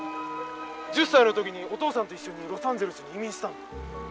１０歳の時にお父さんと一緒にロサンゼルスに移民したんだ。